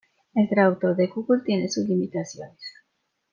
El traductor de Google tiene sus limitaciones.